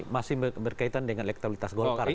masih berkaitan dengan elektabilitas golkar